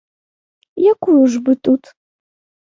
Якую ж бы тут?